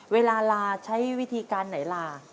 เวลาลาใช้วิธีการไหนลา